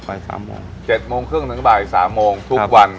บ่ายสามโมง๗โมงครึ่งถึงบ่ายสามโมงทุกวัน